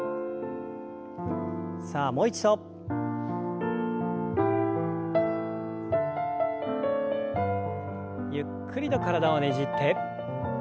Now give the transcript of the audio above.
さあもう一度。ゆっくりと体をねじって。